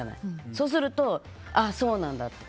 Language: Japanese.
そうすると、そうなんだって